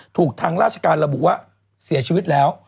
ถูกทางราชการระบุว่าเสียชีวิตแล้ว